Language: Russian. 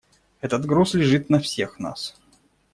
Этот груз лежит на всех нас.